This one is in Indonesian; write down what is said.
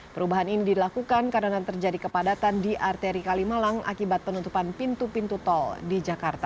perubahan ini dilakukan karena terjadi kepadatan di arteri kalimalang akibat penutupan pintu pintu tol di jakarta